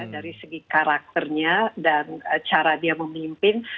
dari segi karakternya dan cara dia memimpin